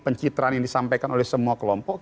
pencitraan yang disampaikan oleh semua kelompok